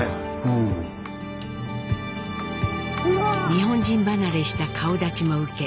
日本人離れした顔だちも受け